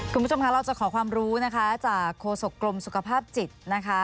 คุณผู้ชมค่ะเราจะขอความรู้นะคะจากโฆษกรมสุขภาพจิตนะคะ